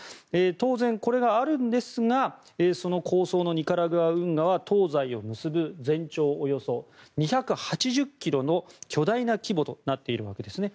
当然これがあるんですがその構想のニカラグア運河は東西を結ぶ全長およそ２８０ｋｍの巨大な規模となっています。